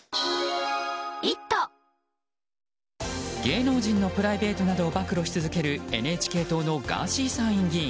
芸能人のプライベートなどを暴露し続けるＮＨＫ党のガーシー参院議員。